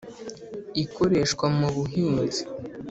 ikoreshwa mu buhinzi